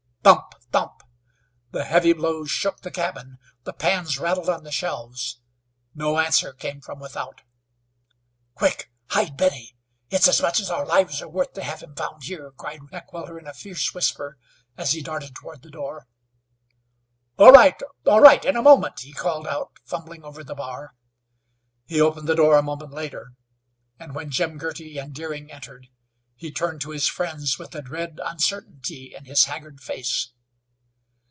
Thump! Thump! The heavy blows shook the cabin. The pans rattled on the shelves. No answer came from without. "Quick! Hide Benny! It's as much as our lives are worth to have him found here," cried Heckewelder in a fierce whisper, as he darted toward the door. "All right, all right, in a moment," he called out, fumbling over the bar. He opened the door a moment later and when Jim Girty and Deering entered he turned to his friends with a dread uncertainty in his haggard face.